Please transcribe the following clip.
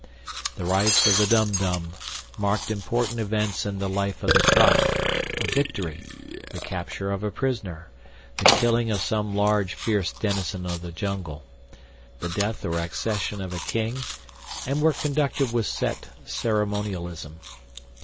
The rites of the Dum Dum marked important events in the life of the tribe—a victory, the capture of a prisoner, the killing of some large fierce denizen of the jungle, the death or accession of a king, and were conducted with set ceremonialism.